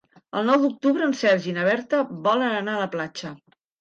El nou d'octubre en Sergi i na Berta volen anar a la platja.